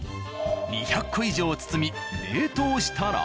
２００個以上包み冷凍したら。